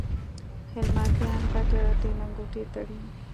هلمنديان غټي غټي لنګوټې تړي